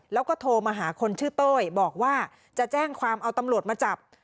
แล้วก็โทรมาหาคนชื่อเต้ยบอกว่าจะแจ้งความเอาตำรวจมาจับ